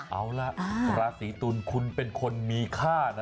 เอาล่ะราศีตุลคุณเป็นคนมีค่านะ